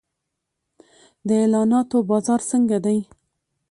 د اعلاناتو بازار څنګه دی؟